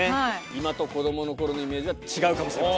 今と子供の頃のイメージが違うかもしれません。